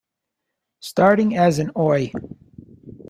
Starting as an Oi!